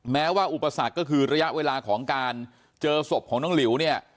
แม้ว่าอุปสรรคก็คือระยะเวลาของการเจอศพของน้องหลิวเนี่ย